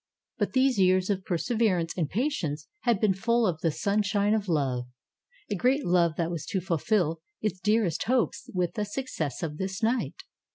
But these years of perseverance and patience had been full of the sun shine of love. A great love that was to fulfill its dearest hopes with the success of this night.